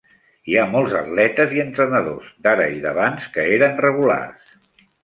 Hi ha molts atletes i entrenadors, d'ara i d'abans, que eren regulars.